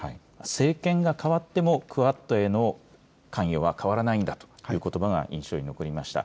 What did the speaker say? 政権がかわってもクアッドへの関与は変わらないんだということばが印象に残りました。